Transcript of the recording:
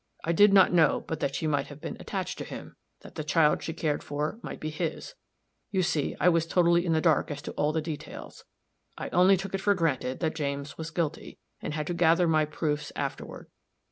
I did not know but that she might have been attached to him that the child she cared for might be his you see I was totally in the dark as to all the details. I only took it for granted that James was guilty, and had to gather my proofs afterward.